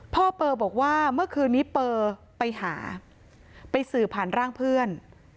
เปอร์บอกว่าเมื่อคืนนี้เปอร์ไปหาไปสื่อผ่านร่างเพื่อน